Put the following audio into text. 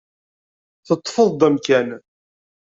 Teṭṭfeḍ-d amkan.